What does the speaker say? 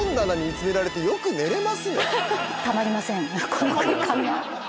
この空間が。